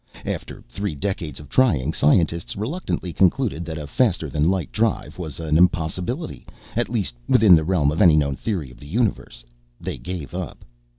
After three decades of trying, scientists reluctantly concluded that a faster than light drive was an impossibility, at least within the realm of any known theory of the Universe. They gave up.